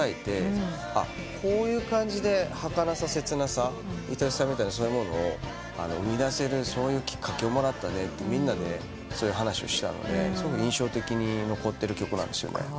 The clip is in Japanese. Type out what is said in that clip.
こういう感じではかなさ切なさいとしさみたいなそういうものを生みだせるそういうきっかけをもらったねとみんなでそういう話をしたのですごく印象的に残ってる曲なんですよね。